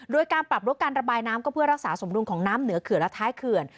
โดยการปรับลดการระบายน้ำก็เพื่อรักษาสมดุลของน้ำเหนือเขื่อนและท้ายเขื่อน